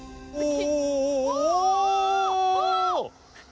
お！